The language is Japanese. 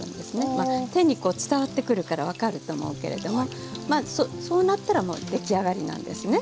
まあ手に伝わってくるから分かると思うけれどもまあそうなったらもう出来上がりなんですね。